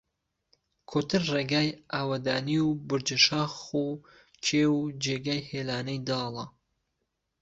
کوتر ڕیگای ئاوهدانی و بورجه شاخ و کێو جێگای هیلانەی داڵە